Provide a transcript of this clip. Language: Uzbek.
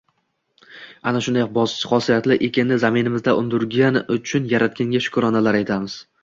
Ana shunday hosiyatli ekinni zaminimizda undirgani uchun Yaratganga shukronalar aytamiz